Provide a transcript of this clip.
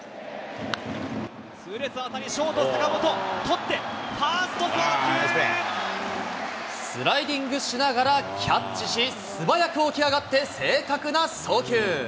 痛烈な当たり、ショート、スライディングしながらキャッチし、素早く起き上がって、正確な送球。